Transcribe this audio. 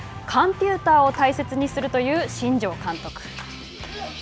勘ピューターを大切にするという新庄監督。